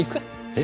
え？